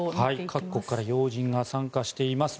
各国から要人が参加しています。